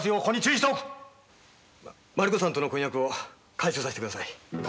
マリ子さんとの婚約を解消させてください。